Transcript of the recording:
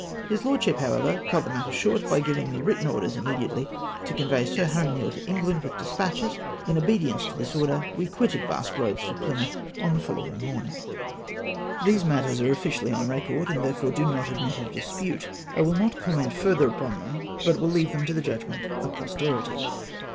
His lordship, however, cut the matter short by giving me written orders immediately to convey Sir Harry Neale to England with despatches. In obedience to this order we quitted Basque Eoads for Plymouth on the following morning. 398 BOOM NOT BEOKEN BY THE MEDIATOE. These matters are officially on record, and therefore do not admit of dispute. I will not comment further upon them, but will leave them to the judgment of pos terity.